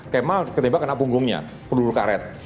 kemal ketebal kena punggungnya peluru karet